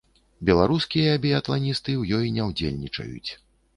Беларускія біятланісты ў ёй не ўдзельнічаюць.